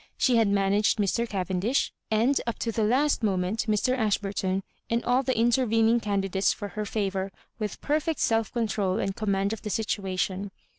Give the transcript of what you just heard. §he had managed Mr. Cavendish, and, up to the last moment, l£r, Ashburton, and all the intervening candidates for her favour, with perfect self control and command of the situation.